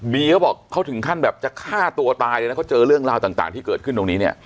เขาบอกเขาถึงขั้นแบบจะฆ่าตัวตายเลยนะเขาเจอเรื่องราวต่างที่เกิดขึ้นตรงนี้เนี่ย